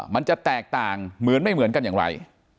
มันจะแตกต่างเหมือนไม่เหมือนกันอย่างไร